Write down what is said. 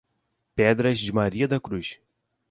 Pedras de Maria da Cruz